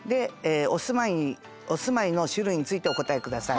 「お住まいの種類についてお答えください」。